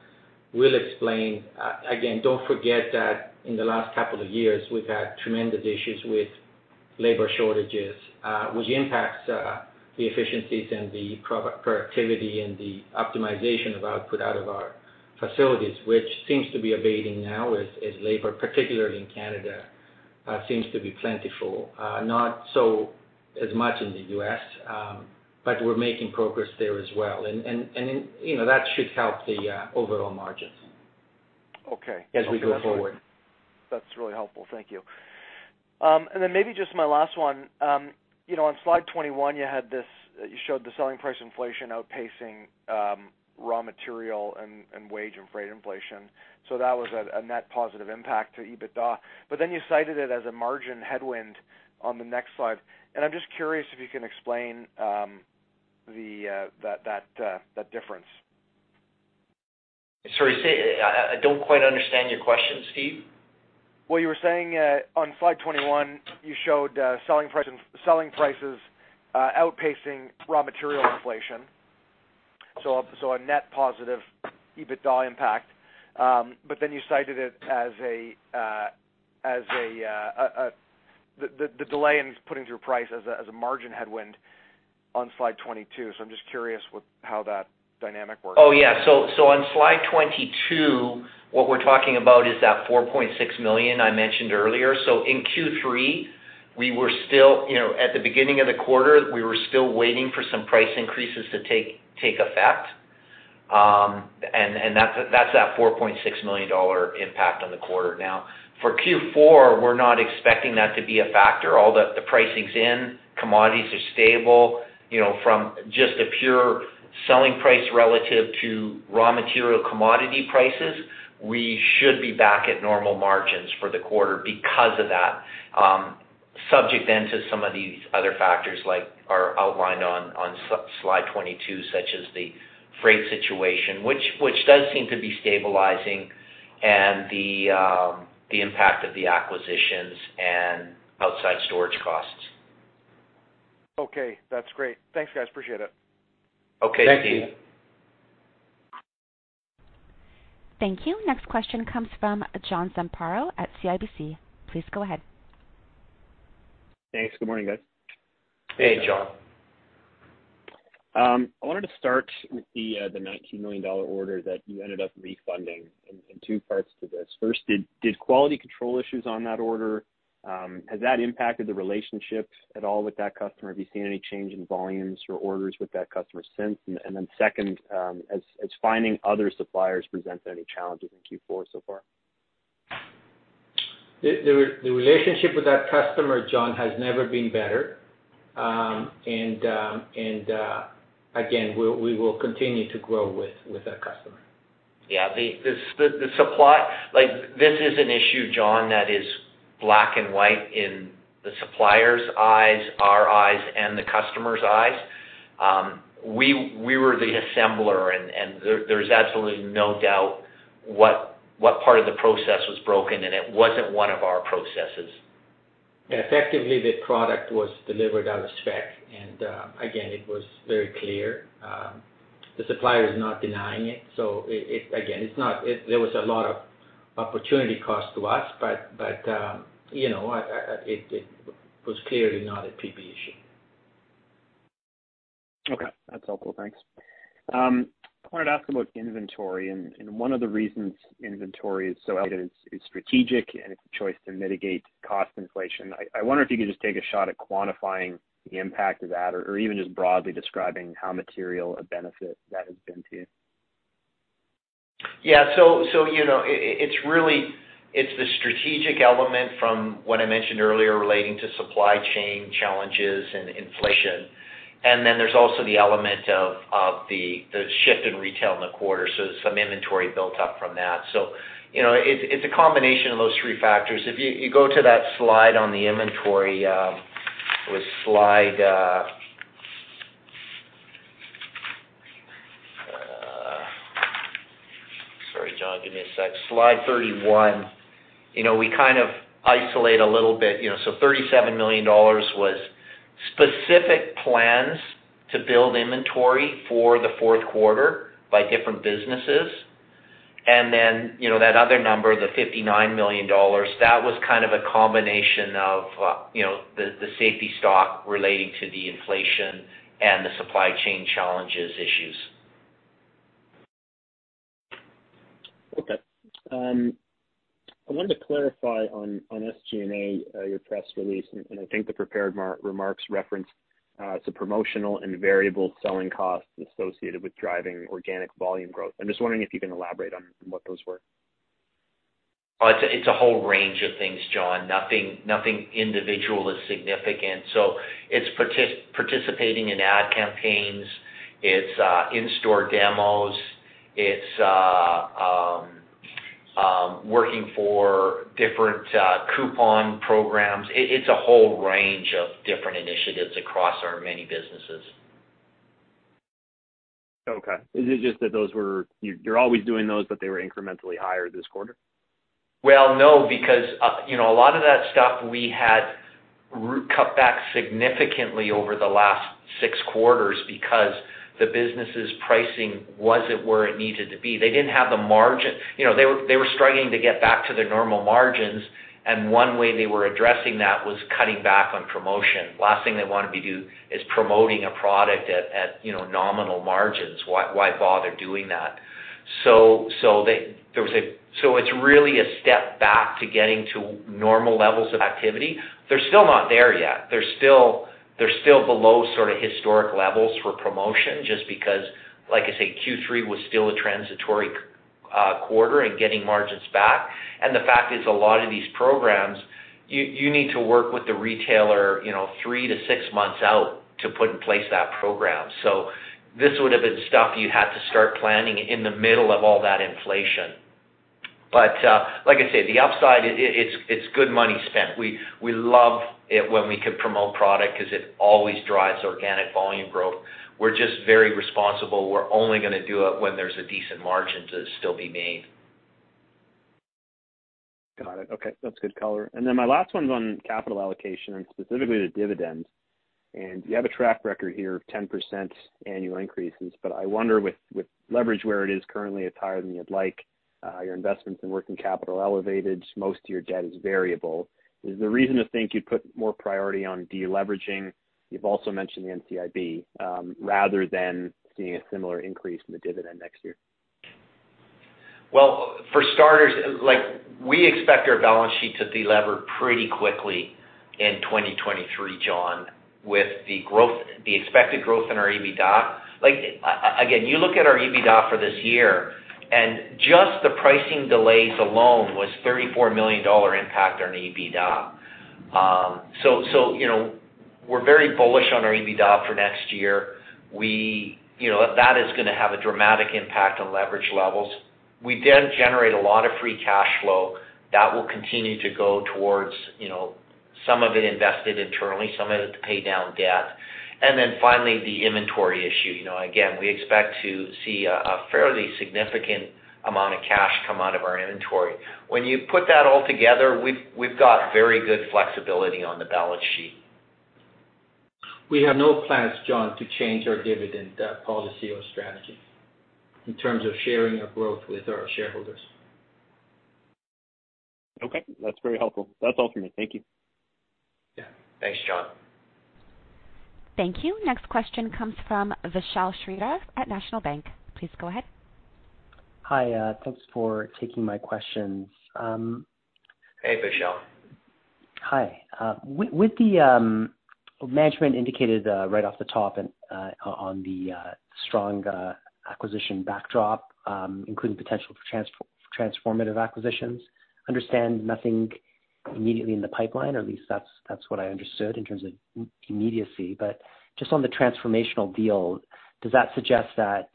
we'll explain. Again, don't forget that in the last couple of years, we've had tremendous issues with labor shortages, which impacts the efficiencies and the product productivity and the optimization of output out of our facilities, which seems to be abating now as labor, particularly in Canada, seems to be plentiful, not so much in the U.S., but we're making progress there as well. You know, that should help the overall margins. Okay. As we go forward. That's really helpful. Thank you. Maybe just my last one. You know, on slide 21, you had this. You showed the selling price inflation outpacing raw material and wage and freight inflation. That was a net positive impact to EBITDA. You cited it as a margin headwind on the next slide. I'm just curious if you can explain that difference. Sorry. I don't quite understand your question, Stephen. Well, you were saying on slide 21, you showed selling prices outpacing raw material inflation, so a net positive EBITDA impact. But then you cited it as the delay in putting through price as a margin headwind on slide 22. I'm just curious how that dynamic works. Oh, yeah. On slide 22, what we're talking about is that 4.6 million I mentioned earlier. In Q3, we were still, you know, at the beginning of the quarter, we were still waiting for some price increases to take effect. That's that 4.6 million dollar impact on the quarter. Now, for Q4, we're not expecting that to be a factor. All the pricing's in. Commodities are stable. You know, from just a pure selling price relative to raw material commodity prices, we should be back at normal margins for the quarter because of that, subject then to some of these other factors as are outlined on slide 22, such as the freight situation, which does seem to be stabilizing and the impact of the acquisitions and outside storage costs. Okay, that's great. Thanks, guys. Appreciate it. Okay, Stephen. Thank you. Thank you. Next question comes from John Zamparo at CIBC. Please go ahead. Thanks. Good morning, guys. Hey, John. I wanted to start with the 19 million dollar order that you ended up refunding. Two parts to this. First, did quality control issues on that order has that impacted the relationship at all with that customer? Have you seen any change in volumes or orders with that customer since? Second, has finding other suppliers presented any challenges in Q4 so far? The relationship with that customer, John, has never been better. Again, we will continue to grow with that customer. Yeah. The supply—like, this is an issue, John, that is black and white in the supplier's eyes, our eyes, and the customer's eyes. We were the assembler and there's absolutely no doubt what part of the process was broken, and it wasn't one of our processes. Effectively, the product was delivered out of spec. Again, it was very clear. The supplier is not denying it, so it. Again, it's not. There was a lot of opportunity cost to us, but you know, it was clearly not a PB issue. Okay. That's helpful. Thanks. I wanted to ask about inventory. One of the reasons inventory is so elevated is strategic, and it's a choice to mitigate cost inflation. I wonder if you could just take a shot at quantifying the impact of that or even just broadly describing how material a benefit that has been to you. So, you know, it's really. It's the strategic element from what I mentioned earlier relating to supply chain challenges and inflation. There's also the element of the shift in retail in the quarter. Some inventory built up from that. You know, it's a combination of those three factors. If you go to that slide on the inventory, it was slide... Sorry, John, give me a sec... Slide 31. You know, we kind of isolate a little bit. You know, 37 million dollars was specific plans to build inventory for the Q4 by different businesses. Then, you know, that other number, the 59 million dollars, that was kind of a combination of the safety stock relating to the inflation and the supply chain challenges issues. Okay. I wanted to clarify on SG&A, your press release, and I think the prepared remarks referenced some promotional and variable selling costs associated with driving organic volume growth. I'm just wondering if you can elaborate on what those were. It's a whole range of things, John. Nothing individual is significant. It's participating in ad campaigns. It's in-store demos. It's working for different coupon programs. It's a whole range of different initiatives across our many businesses. Okay. Is it just that those were? You, you're always doing those, but they were incrementally higher this quarter? Well, no, because, you know, a lot of that stuff we had cut back significantly over the last six quarters because the business's pricing wasn't where it needed to be. They didn't have the margin. You know, they were struggling to get back to their normal margins, and one way they were addressing that was cutting back on promotion. Last thing they wanted to do is promoting a product at, you know, nominal margins. Why bother doing that? So it's really a step back to getting to normal levels of activity. They're still not there yet. They're still below sort of historic levels for promotion just because, like I say, Q3 was still a transitory quarter in getting margins back. The fact is a lot of these programs, you need to work with the retailer, you know, three to six months out to put in place that program. This would have been stuff you had to start planning in the middle of all that inflation. Like I say, the upside, it's good money spent. We love it when we can promote product 'cause it always drives organic volume growth. We're just very responsible. We're only gonna do it when there's a decent margin to still be made. Got it. Okay. That's good color. Then my last one's on capital allocation and specifically the dividend. You have a track record here of 10% annual increases. I wonder with leverage where it is currently, it's higher than you'd like, your investments in working capital elevated, most of your debt is variable. Is there reason to think you'd put more priority on deleveraging? You've also mentioned the NCIB rather than seeing a similar increase in the dividend next year? Well, for starters, like, we expect our balance sheet to delever pretty quickly in 2023, John, with the growth, the expected growth in our EBITDA. Like, again, you look at our EBITDA for this year, and just the pricing delays alone was 34 million dollar impact on EBITDA. So, you know, we're very bullish on our EBITDA for next year. You know, that is gonna have a dramatic impact on leverage levels. We did generate a lot of free cash flow. That will continue to go towards, you know, some of it invested internally, some of it to pay down debt. Finally, the inventory issue. You know, again, we expect to see a fairly significant amount of cash come out of our inventory. When you put that all together, we've got very good flexibility on the balance sheet. We have no plans, John, to change our dividend policy or strategy in terms of sharing our growth with our shareholders. Okay, that's very helpful. That's all for me. Thank you. Yeah. Thanks, John. Thank you. Next question comes from Vishal Shreedhar at National Bank. Please go ahead. Hi. Thanks for taking my questions. Hey, Vishal. Hi. With the management indicated right off the top and on the strong acquisition backdrop, including potential transformative acquisitions. I understand nothing immediately in the pipeline, or at least that's what I understood in terms of immediacy. Just on the transformational deal, does that suggest that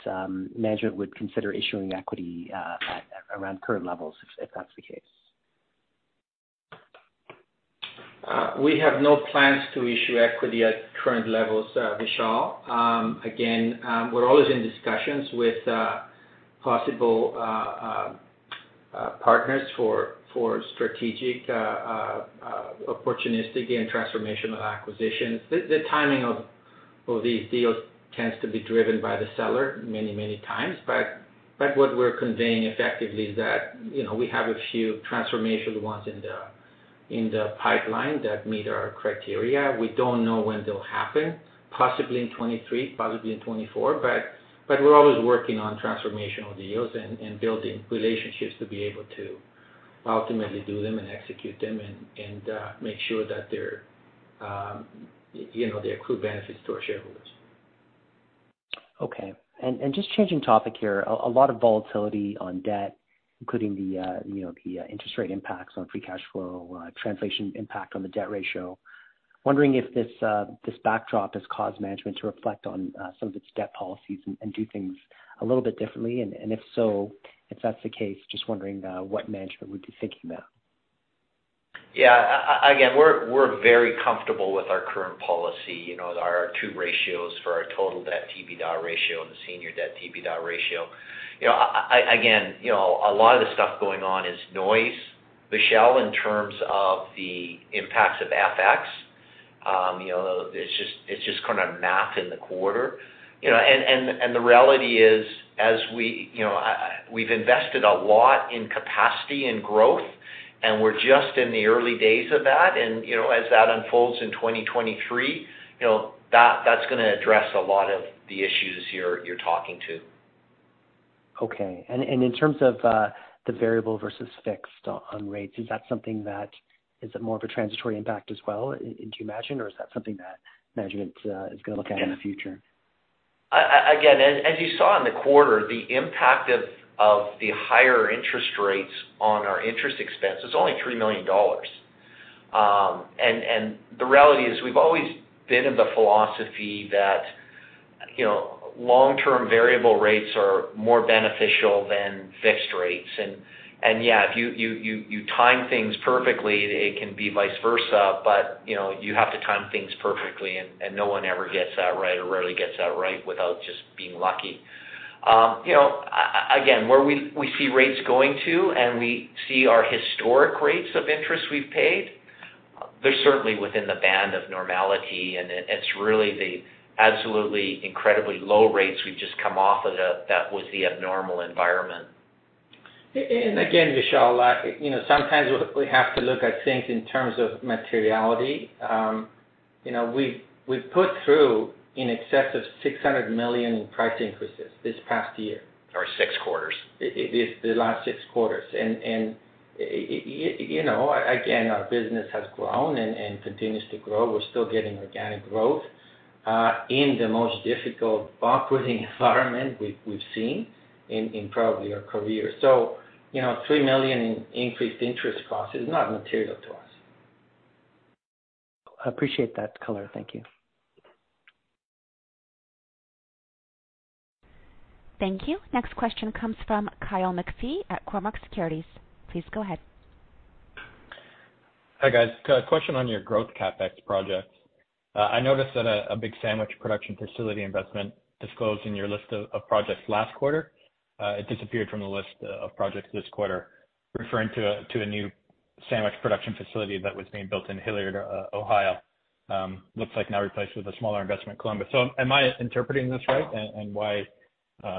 management would consider issuing equity at around current levels, if that's the case? We have no plans to issue equity at current levels, Vishal. We're always in discussions with possible partners for strategic opportunistic and transformational acquisitions. The timing of these deals tends to be driven by the seller many times. What we're conveying effectively is that, you know, we have a few transformational ones in the pipeline that meet our criteria. We don't know when they'll happen, possibly in 2023, possibly in 2024. We're always working on transformational deals and building relationships to be able to ultimately do them and execute them and make sure that they're, you know, they accrue benefits to our shareholders. Okay. Just changing topic here, a lot of volatility on debt, including the, you know, the, interest rate impacts on free cash flow, translation impact on the debt ratio. Wondering if this backdrop has caused management to reflect on, some of its debt policies and do things a little bit differently. If so, if that's the case, just wondering, what management would be thinking about. Yeah. Again, we're very comfortable with our current policy, you know, our two ratios for our total debt to EBITDA ratio and the senior debt to EBITDA ratio. You know, again, you know, a lot of the stuff going on is noise, Vishal, in terms of the impacts of FX. You know, it's just kinda math in the quarter. You know, and the reality is, as we, you know, we've invested a lot in capacity and growth, and we're just in the early days of that. You know, as that unfolds in 2023, you know, that's gonna address a lot of the issues you're talking about. Okay. In terms of the variable versus fixed on rates, is that something that is a more of a transitory impact as well, do you imagine, or is that something that management is gonna look at in the future? Again, as you saw in the quarter, the impact of the higher interest rates on our interest expense is only 3 million dollars. The reality is we've always been of the philosophy that, you know, long-term variable rates are more beneficial than fixed rates. Yeah, if you time things perfectly, it can be vice versa, but, you know, you have to time things perfectly and no one ever gets that right or rarely gets that right without just being lucky. You know, again, where we see rates going to and we see our historic rates of interest we've paid, they're certainly within the band of normality, and it's really the absolutely incredibly low rates we've just come off of that was the abnormal environment. Again, Vishal, you know, sometimes we have to look at things in terms of materiality. You know, we've put through in excess of 600 million in price increases this past year. six quarters. The last six quarters. You know, again, our business has grown and continues to grow. We're still getting organic growth in the most difficult operating environment we've seen in probably our career. You know, 3 million in increased interest costs is not material to us. Appreciate that color. Thank you. Thank you. Next question comes from Kyle McPhee at Cormark Securities. Please go ahead. Hi, guys. Question on your growth CapEx projects. I noticed that a big sandwich production facility investment disclosed in your list of projects last quarter, it disappeared from the list of projects this quarter, referring to a new sandwich production facility that was being built in Hilliard, Ohio. Looks like now replaced with a smaller investment in Columbus. Am I interpreting this right? And why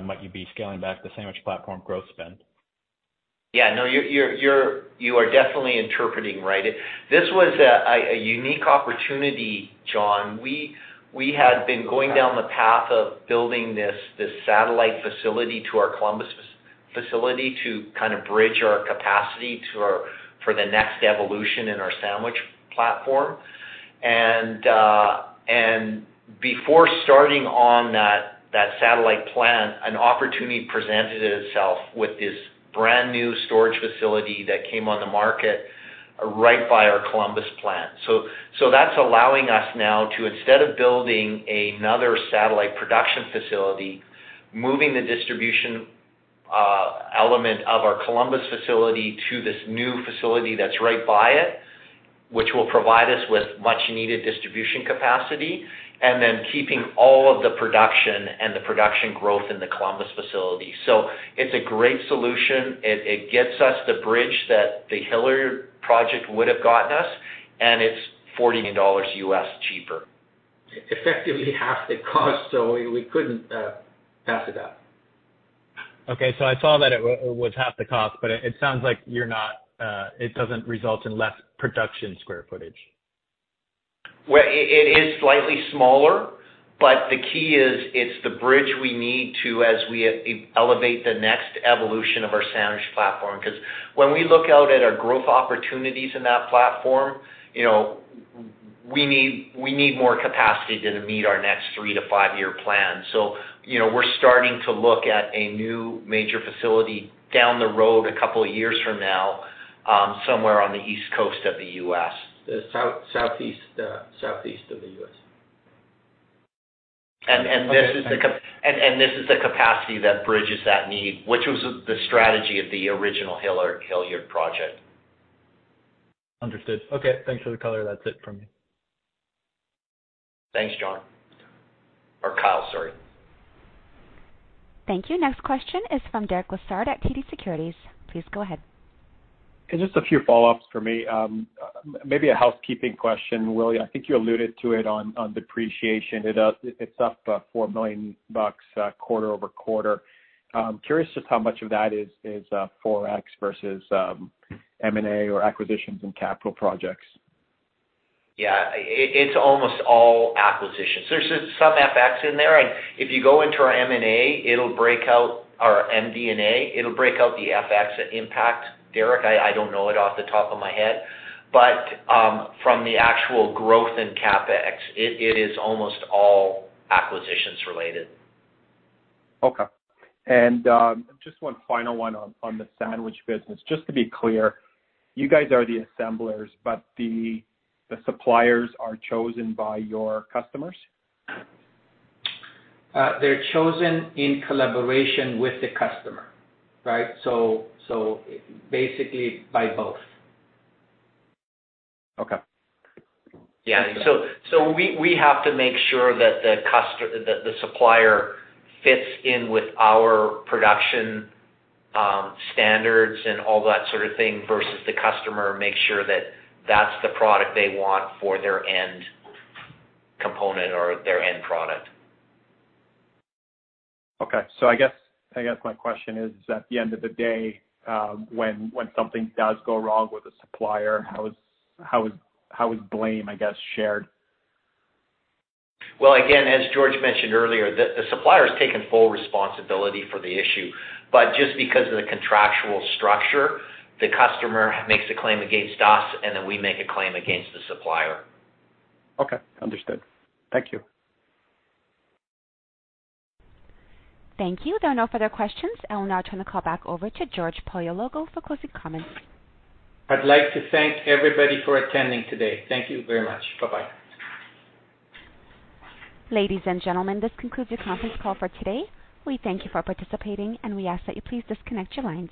might you be scaling back the sandwich platform growth spend? Yeah, no, you're definitely interpreting right. This was a unique opportunity, Kyle. We had been going down the path of building this satellite facility to our Columbus facility to kind of bridge our capacity for the next evolution in our sandwich platform. Before starting on that satellite plant, an opportunity presented itself with this brand new storage facility that came on the market right by our Columbus plant. That's allowing us now to, instead of building another satellite production facility, move the distribution element of our Columbus facility to this new facility that's right by it, which will provide us with much needed distribution capacity, and then keep all of the production and the production growth in the Columbus facility. It's a great solution. It gets us the bridge that the Hilliard project would have gotten us, and it's $40 million cheaper. Effectively half the cost, so we couldn't pass it up. I saw that it was half the cost, but it sounds like you're not, it doesn't result in less production square footage. Well, it is slightly smaller, but the key is, it's the bridge we need to as we elevate the next evolution of our sandwich platform. 'Cause when we look out at our growth opportunities in that platform, you know, we need more capacity to meet our next three to five-year plan. You know, we're starting to look at a new major facility down the road a couple of years from now, somewhere on the East Coast of the U.S.. The South, Southeast of the U.S. This is the capacity that bridges that need, which was the strategy of the original Hilliard project. Understood. Okay, thanks for the color. That's it from me. Thanks, John. Or Kyle, sorry. Thank you. Next question is from Derek Lessard at TD Securities. Please go ahead. Just a few follow-ups for me. Maybe a housekeeping question. Will Kalutycz, I think you alluded to it on depreciation. It's up 4 million bucks quarter-over-quarter. I'm curious just how much of that is Forex versus M&A or acquisitions and capital projects. Yeah. It's almost all acquisitions. There's some FX in there, and if you go into our MD&A, it'll break out the FX impact, Derek. I don't know it off the top of my head. From the actual growth in CapEx, it is almost all acquisitions related. Okay. Just one final one on the sandwich business. Just to be clear, you guys are the assemblers, but the suppliers are chosen by your customers? They're chosen in collaboration with the customer, right? Basically by both. Okay. Yeah. We have to make sure that the supplier fits in with our production standards and all that sort of thing, versus the customer makes sure that that's the product they want for their end component or their end product. Okay. I guess my question is, at the end of the day, when something does go wrong with a supplier, how is blame, I guess, shared? Well, again, as George mentioned earlier, the supplier has taken full responsibility for the issue. Just because of the contractual structure, the customer makes a claim against us, and then we make a claim against the supplier. Okay, understood. Thank you. Thank you. There are no further questions. I will now turn the call back over to George Paleologou for closing comments. I'd like to thank everybody for attending today. Thank you very much. Bye-bye. Ladies and gentlemen, this concludes your conference call for today. We thank you for participating, and we ask that you please disconnect your lines.